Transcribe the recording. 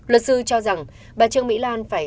luật sư cho rằng bà trương mỹ lan phải